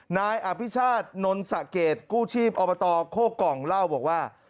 นายอภิชาตินนท์สะเกตกู้ชีพอบตโค้กกองเล่าว่า